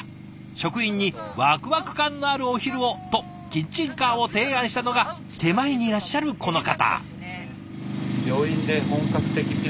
職員にワクワク感のあるお昼をとキッチンカーを提案したのが手前にいらっしゃるこの方。